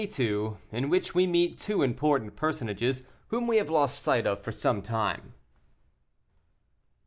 IN WHICH WE MEET TWO IMPORTANT PERSONAGES WHOM WE HAVE LOST SIGHT OF FOR SOME TIME.